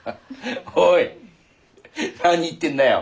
おい何言ってんだよ？